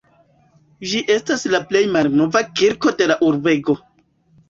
Ĝi estas la plej malnova kirko de la urbego.